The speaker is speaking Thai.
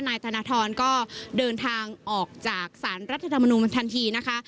นายธนทรก็เดินทางออกจากสารรัฐธรรมนูลทันทีนะคะ